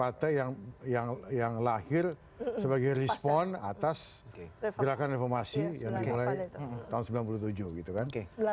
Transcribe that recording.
partai yang lahir sebagai respon atas gerakan reformasi yang dimulai tahun sembilan puluh tujuh gitu kan